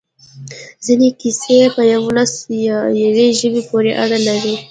ځینې کیسې په یوه ولس یا یوې ژبې پورې اړه لري.